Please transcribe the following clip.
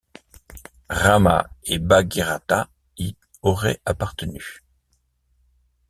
Râma et Bhagiratha y auraient appartenu.